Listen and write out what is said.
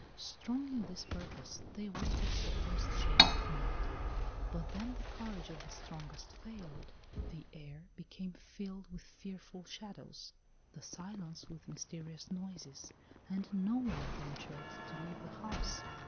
Strong in this purpose they awaited the first shades of night; but then the courage of the strongest failed. The air became filled with fearful shadows, the silence with mysterious noises, and no one ventured to leave the house.